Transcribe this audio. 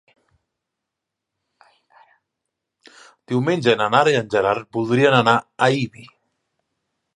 Diumenge na Nara i en Gerard voldrien anar a Ibi.